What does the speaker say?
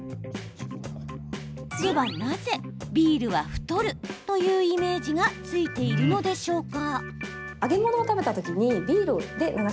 では、なぜ「ビールは太る」というイメージがついているのでしょうか。